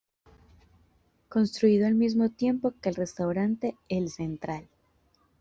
Construido, al mismo tiempo que el Restaurante ""El Central"".